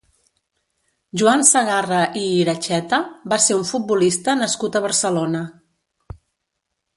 Joan Segarra i Iracheta va ser un futbolista nascut a Barcelona.